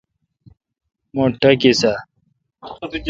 مٹھ ٹاکیس اؘ ۔